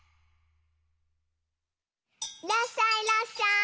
いらっしゃいいらっしゃい！